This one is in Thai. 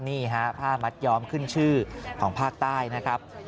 นี่ฮะผ้ามัดย้อมขึ้นชื่อของภาคใต้นะครับ